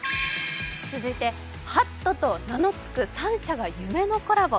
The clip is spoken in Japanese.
続いてハットと名のつく３社が夢のコラボ。